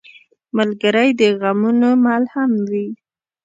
ملګری د غمونو ملهم وي.